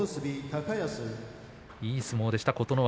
いい相撲でした琴ノ若。